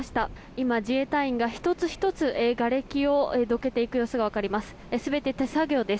今、自衛隊員が１つ１つ、がれきをどけていく様子がわかります。